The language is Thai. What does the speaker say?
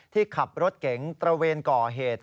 ขับรถเก๋งตระเวนก่อเหตุ